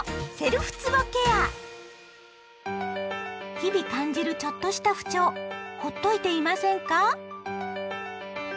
日々感じるちょっとした不調ほっといていませんか？